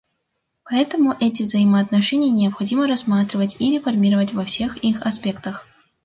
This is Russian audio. Поэтому эти взаимоотношения необходимо рассматривать и реформировать во всех их аспектах.